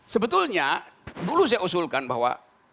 sebetulnya dulu saya usulkan bahwa